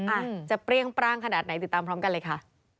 อาจจะเปรี้ยงปร่างขนาดไหนติดตามพร้อมกันเลยค่ะ